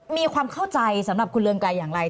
มีความเข้าใจสำหรับคุณเรืองไกรอย่างไร